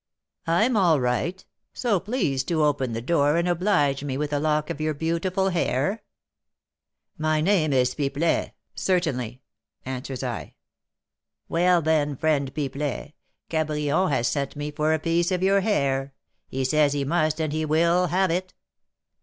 I'm all right; so please to open the door and oblige me with a lock of your beautiful hair.' 'My name is Pipelet, certainly,' answers I. 'Well, then, friend Pipelet, Cabrion has sent me for a piece of your hair; he says he must and he will have it.'"